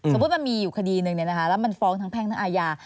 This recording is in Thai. สมมุติมันมีอยู่คดีนึงนะคะแล้วมันฟ้องทั้งแพ่งทั้งอาญา